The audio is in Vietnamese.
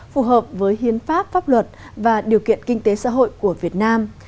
phù hợp với hiến pháp pháp luật và điều kiện kinh tế xã hội của việt nam